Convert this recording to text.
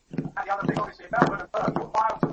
তুই সারাজীবন কুমারীই থাকবি।